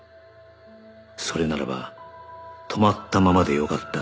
それならば止まったままでよかった